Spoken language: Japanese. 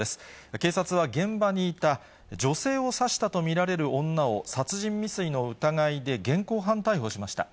警察は現場にいた、女性を刺したと見られる女を、殺人未遂の疑いで現行犯逮捕しました。